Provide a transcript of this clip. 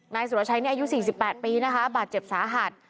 นายสุรชัยนี่อายุ๔๘ปีนะคะบาดเจ็บสาหัส